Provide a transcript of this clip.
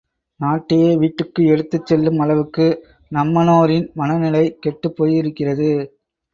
நாட்டையே வீட்டுக்கு எடுத்துச் செல்லும் அளவுக்கு நம்மனோரின் மனநிலை கெட்டுப் போயிருக்கிறது.